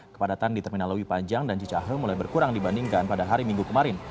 kepadatan di terminal lewi panjang dan cicahe mulai berkurang dibandingkan pada hari minggu kemarin